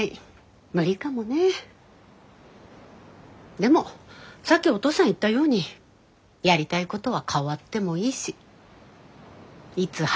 でもさっきおとうさん言ったようにやりたいことは変わってもいいしいつ始めてもいいんじゃない？